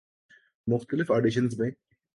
مختلف آڈیشنزمیں